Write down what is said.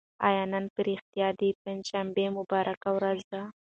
آیا نن په رښتیا د پنجشنبې مبارکه ورځ ده؟